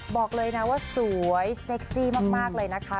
บอกเลยนะว่าสวยเซ็กซี่มากเลยนะคะ